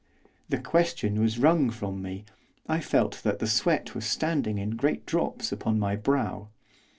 The question was wrung from me; I felt that the sweat was standing in great drops upon my brow.